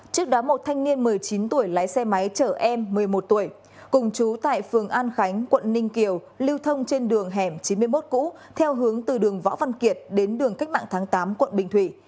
trước đó một thanh niên một mươi chín tuổi lái xe máy chở em một mươi một tuổi cùng chú tại phường an khánh quận ninh kiều lưu thông trên đường hẻm chín mươi một cũ theo hướng từ đường võ văn kiệt đến đường cách mạng tháng tám quận bình thủy